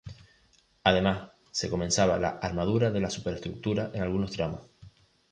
Además, se comenzaba la armadura de la superestructura en algunos tramos.